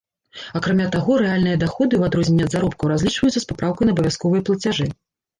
Акрамя таго, рэальныя даходы, у адрозненне ад заробкаў, разлічваюцца з папраўкай на абавязковыя плацяжы.